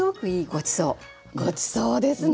ごちそうですね。